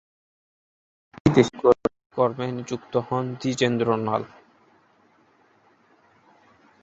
এই বছরই দেশে প্রত্যাবর্তন করে সরকারি কর্মে নিযুক্ত হন দ্বিজেন্দ্রলাল।